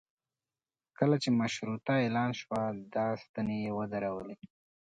کله چې مشروطه اعلان شوه دا ستنې یې ودرولې.